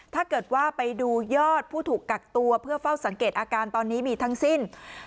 ถ้าเกิดว่าไปดูยอดผู้ถูกกักตัวเพื่อเฝ้าสังเกตอาการตอนนี้มีทั้งสิ้น